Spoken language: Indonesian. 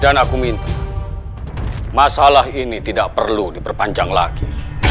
dan aku minta masalah ini tidak perlu diperpanjang lagi